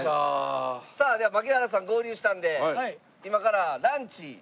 さあでは槙原さん合流したんで今から。